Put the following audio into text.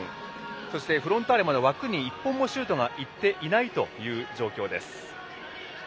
そして、フロンターレは枠に１本もシュートがいっていないという状況です。